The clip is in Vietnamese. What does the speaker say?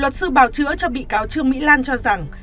luật sư bảo chữa cho bị cáo trương mỹ lan cho rằng